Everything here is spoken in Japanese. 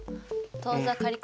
当座借越。